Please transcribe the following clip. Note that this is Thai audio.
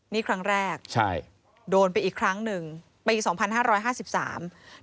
นี่ครั้งแรกโดนไปอีกครั้งนึงไปอีก๒๕๕๓